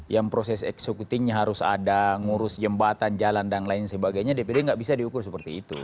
yang proses eksekutifnya harus ada ngurus jembatan jalan dan lain sebagainya dpd nggak bisa diukur seperti itu